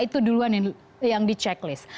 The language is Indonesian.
itu duluan yang di checklist